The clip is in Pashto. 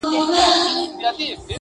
لا په اورونو کي تازه پاته ده!.